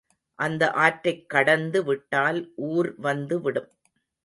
அந்த ஆற்றைக் கடந்து விட்டால் ஊர் வந்து விடும்.